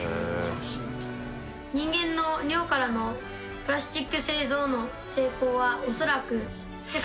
人間の尿からのプラスチック製造の成功は、えー！